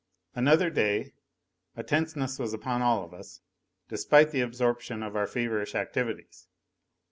Another day. A tenseness was upon all of us, despite the absorption of our feverish activities.